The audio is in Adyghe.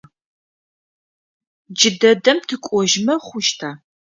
Джыдэдэм тыкӏожьмэ хъущта?